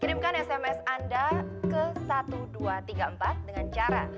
kirimkan sms anda ke seribu dua ratus tiga puluh empat dengan cara